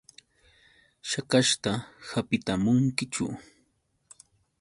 ¿Shakashta hapitamunkichu?